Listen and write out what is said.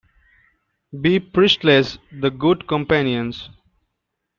B. Priestley's "The Good Companions".